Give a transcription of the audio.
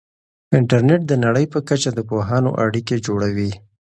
انټرنیټ د نړۍ په کچه د پوهانو اړیکې جوړوي.